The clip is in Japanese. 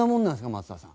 松田さん。